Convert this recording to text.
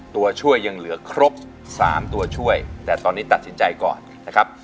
ตัวช่วยยังเหลือครบ๓ตัวช่วยแต่ตอนนี้ตัดสินใจก่อนนะครับ